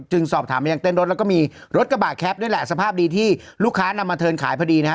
สอบถามไปยังเต้นรถแล้วก็มีรถกระบะแคปด้วยแหละสภาพดีที่ลูกค้านำมาเทิร์นขายพอดีนะฮะ